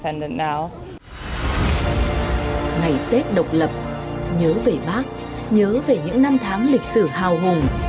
ngày tết độc lập nhớ về bác nhớ về những năm tháng lịch sử hào hùng